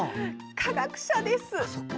科学者です。